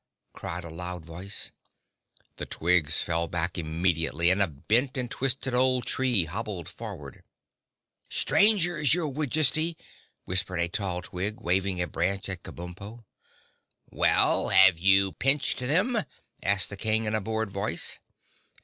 cried a loud voice. The Twigs fell back immediately and a bent and twisted old tree hobbled forward. "Strangers, your Woodjesty," whispered a tall Twig, waving a branch at Kabumpo. "Well, have you pinched them?" asked the King in a bored voice.